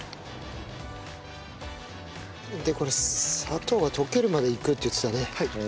でこれ砂糖が溶けるまでいくって言ってたね。